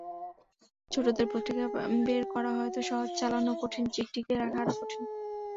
ছোটদের পত্রিকা বের করা হয়তো সহজ, চালানো কঠিন, টিকিয়ে রাখা আরও কঠিন।